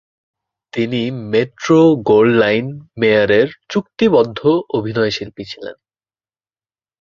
তিনি মেট্রো-গোল্ডউইন-মেয়ারের চুক্তিবদ্ধ অভিনয়শিল্পী ছিলেন।